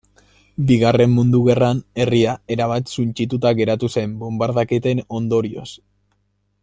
Bigarren Mundu Gerran, herria erabat suntsituta geratu zen, bonbardaketen ondorioz.